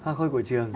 hoa khôi của trường